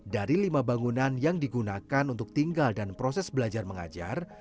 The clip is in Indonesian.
dari lima bangunan yang digunakan untuk tinggal dan proses belajar mengajar